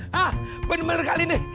hah bener bener kali ini